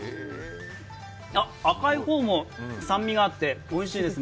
赤い方も酸味があっておいしいですね。